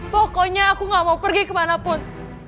pokoknya aku gak mau pergi kemana pun